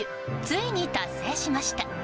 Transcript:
ついに達成しました！